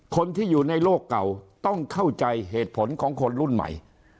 คนที่อยู่ในโลกเก่าต้องเข้าใจเหตุผลของคนรุ่นใหม่